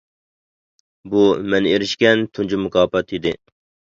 بۇ مەن ئېرىشكەن تۇنجى مۇكاپات ئىدى.